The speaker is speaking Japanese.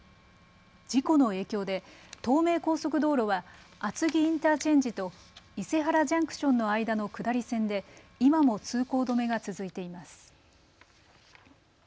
事故の影響で東名高速道路は厚木インターチェンジと伊勢原ジャンクションの間の下り線で今も通行止めが続いています。